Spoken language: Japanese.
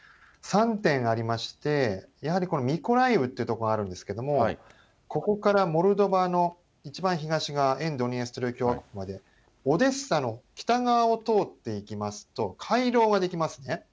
３点ありまして、やはりこのミコライウっていう所があるんですけれども、ここからモルドバのいちばん東側、沿ドニエストル共和国まで、オデッサの北側を通っていきますと、回廊が出来ますね。